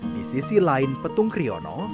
di sisi lain petung kriono